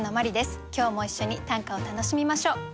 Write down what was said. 今日も一緒に短歌を楽しみましょう。